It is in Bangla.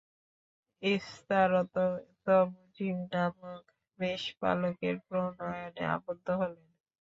ইস্তারত দমুজি-নামক মেষপালকের প্রণয়ে আবদ্ধ হলেন।